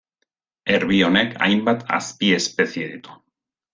Erbi honek hainbat azpiespezie ditu.